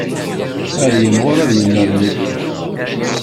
Ad yimɣur ad yennerni.